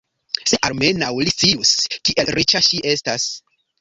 Se almenaŭ li scius, kiel riĉa ŝi estas!